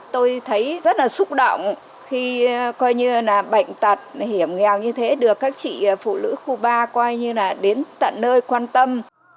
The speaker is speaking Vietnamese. tôi thấy rất là xúc động khi coi như là bệnh tật hiểm nghèo như thế được các chị phụ nữ khu ba coi như là đến tận nơi quan tâm